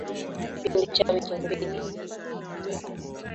Mdudu anayesambaza ugonjwa wa upele hukaaa eneo husika kwa kipindi cha wiki mbili